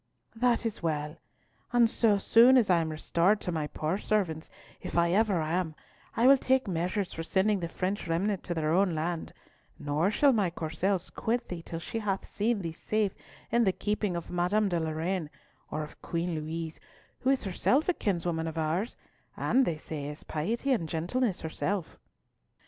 "That is well. And so soon as I am restored to my poor servants, if I ever am, I will take measures for sending the French remnant to their own land; nor shall my Courcelles quit thee till she hath seen thee safe in the keeping of Madame de Lorraine or of Queen Louise, who is herself a kinswoman of ours, and, they say, is piety and gentleness itself."